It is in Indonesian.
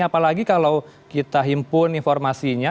apalagi kalau kita himpun informasinya